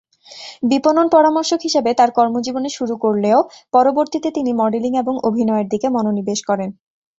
বিপণন পরামর্শক হিসাবে তার কর্মজীবন শুরু করলেও পরবর্তীতে তিনি মডেলিং এবং অভিনয়ের দিকে মনোনিবেশ করেন।